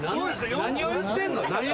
何を言ってんの？